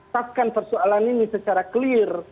tetapkan persoalan ini secara clear